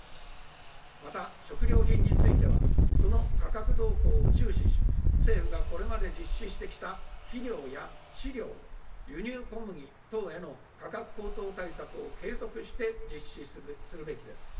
また、食料品については、その価格動向を注視し、政府がこれまで実施してきた肥料や飼料、輸入小麦等への価格高騰対策を継続して実施するべきです。